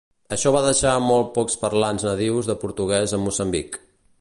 Això va deixar molt pocs parlants nadius de portuguès a Moçambic.